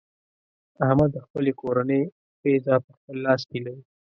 احمد د خپلې کورنۍ قېزه په خپل لاس کې لري.